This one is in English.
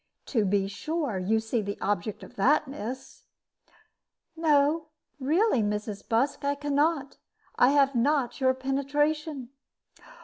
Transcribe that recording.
To be sure you see the object of that, miss?" "No, really, Mrs. Busk, I can not. I have not your penetration."